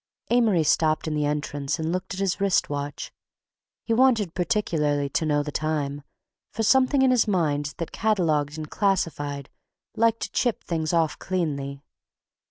Amory stopped in the entrance and looked at his wrist watch; he wanted particularly to know the time, for something in his mind that catalogued and classified liked to chip things off cleanly.